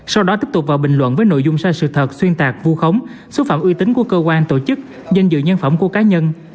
sau đó tiếp tục vào bình luận với nội dung sai sự thật xuyên tạc vu khống xúc phạm uy tín của cơ quan tổ chức danh dự nhân phẩm của cá nhân